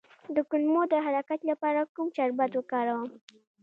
د کولمو د حرکت لپاره کوم شربت وکاروم؟